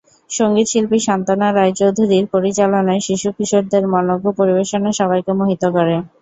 সংগীত শিল্পী সান্ত্বনা রায় চৌধুরীর পরিচালনায় শিশু-কিশোরদের মনোজ্ঞ পরিবেশনা সবাইকে মোহিত করে।